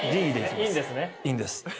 ⁉いいんですね？